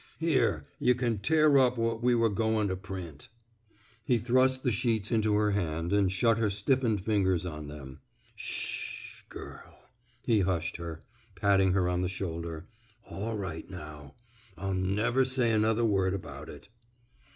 ... Here, yuh can tear up what we were goin' to print." He thrust the sheets into her hand and shut her stiffened fingers on them. S sh, girl," he hushed her, patting her on the shoulder. All right now. I'll never say another word about it."